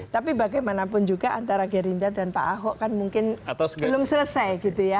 tapi bagaimanapun juga antara gerindra dan pak ahok kan mungkin belum selesai gitu ya